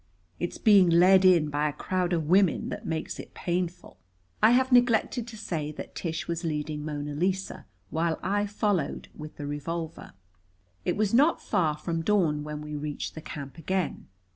It's being led in by a crowd of women that makes it painful." I have neglected to say that Tish was leading Mona Lisa, while I followed with the revolver. It was not far from dawn when we reached the camp again.